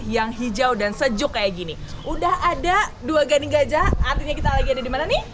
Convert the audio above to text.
yang hijau dan sejuk kayak gini udah ada dua gading gajah artinya kita lagi ada dimana nih